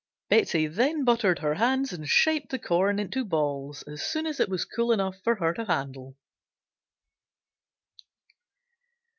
Betsey then buttered her hands and shaped the corn into balls as soon as it was cool enough for her to handle.